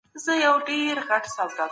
تحقیق د پوښتنو لپاره د ځواب موندلو هڅه ده.